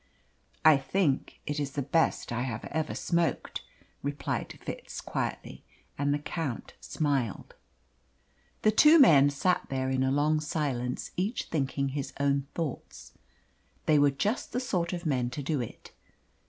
"I think it is the best I have ever smoked," replied Fitz quietly; and the Count smiled. The two men sat there in a long silence each thinking his own thoughts. They were just the sort of men to do it.